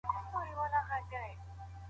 بهرني هیوادونه زموږ د ښه کیفیت توکي اخلي.